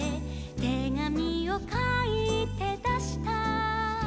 「てがみをかいてだした」